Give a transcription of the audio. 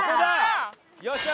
よっしゃ！